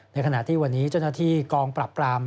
ขณะที่วันนี้เจ้าหน้าที่กองปรับปราม